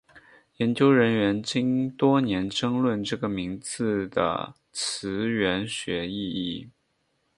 研究人员经多年争论这个名字的词源学意义。